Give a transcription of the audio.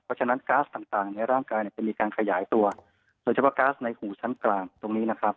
เพราะฉะนั้นก๊าซต่างในร่างกายเนี่ยจะมีการขยายตัวโดยเฉพาะก๊าซในหูชั้นกลางตรงนี้นะครับ